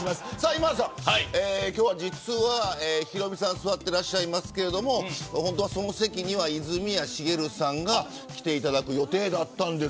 今田さん、今日は実はヒロミさんが座っていますけど本当はその席には泉谷しげるさんが来ていただく予定だったんです。